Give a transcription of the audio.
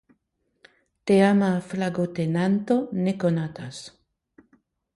Teama flagotenanto ne konatas.